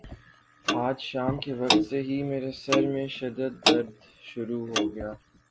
آج شام کے وقت سے ہی میرے سر میں شدد درد شروع ہو گیا